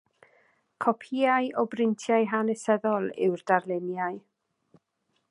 Copïau o brintiau hanesyddol yw'r darluniau.